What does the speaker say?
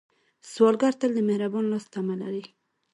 سوالګر تل د مهربان لاس تمه لري